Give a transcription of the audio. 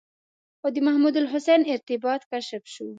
او د محمودالحسن ارتباط کشف شو.